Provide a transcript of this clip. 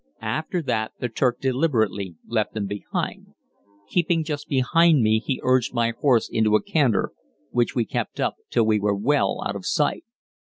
After that the Turk deliberately left them behind; keeping just behind me he urged my horse into a canter, which we kept up till we were well out of sight.